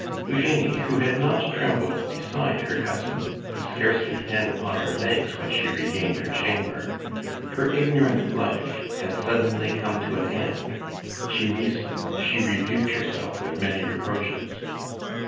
Eugenie, who had not trembled beside her cousin, could scarcely stand upon her legs when she regained her chamber. Her ignorant life had suddenly come to an end; she reasoned, she rebuked herself with many reproaches.